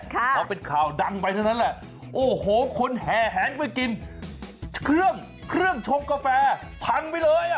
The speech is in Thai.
เขาเป็นข่าวดังไปเท่านั้นแหละโอ้โหคนแห่งไปกินเครื่องชกกาแฟพังไปเลย